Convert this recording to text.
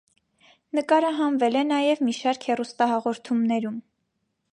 Նկարահանվել է նաև մի շարք հեռուստահաղորդումներում։